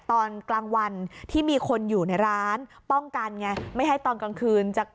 ตอนกลางวันที่มีคนอยู่ในร้านป้องกันไงไม่ให้ตอนกลางคืนจะ